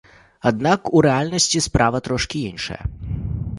Аднак у рэальнасці справа трошкі іншая.